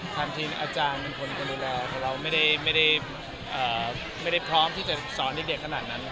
ทางทีมอาจารย์ทางคนการดูแลเราไม่ได้พร้อมที่จะสอนให้เด็กขนาดนั้นนะครับ